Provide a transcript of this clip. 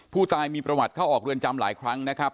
ผู้ตายมีประวัติเข้าออกเรือนจำหลายครั้งนะครับ